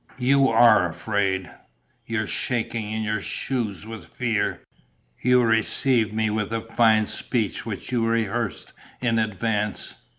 "You are afraid. You're shaking in your shoes with fear. You received me with a fine speech which you rehearsed in advance.